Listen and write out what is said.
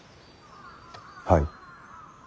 はい？